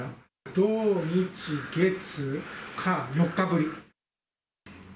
土、日、月、火、４日ぶり。